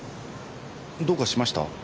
どうかしました？